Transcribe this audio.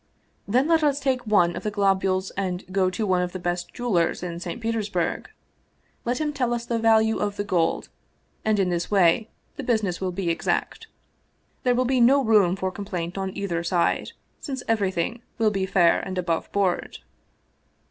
Then let us take one of the globules and go to one of the best jewelers in St. Petersburg. Let him tell us the value of the gold and in this way the business will be exact ; there will be no room for complaint on either side, since everything will be fair and above board."